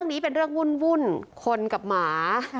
เรื่องนี้เป็นเรื่องวุ่นคนกับหมา